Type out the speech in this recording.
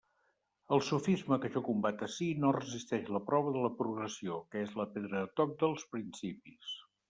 El sofisma que jo combat ací no resisteix la prova de la progressió, que és la pedra de toc dels principis.